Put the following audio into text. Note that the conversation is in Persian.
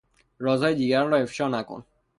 رازهای دیگران را افشا نکن!